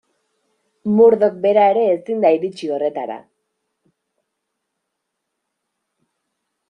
Murdoch bera ere ezin da iritsi horretara.